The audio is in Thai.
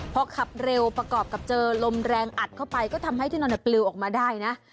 พอขับเร็วประกอบกับเจอลมแรงอัดเข้าไปก็ทำให้ที่นอนปลิวออกมาได้นะ